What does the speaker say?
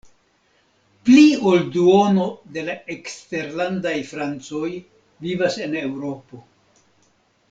Pli ol duono de la eksterlandaj francoj vivas en Eŭropo.